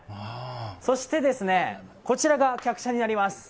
そしてこちらが客車になります。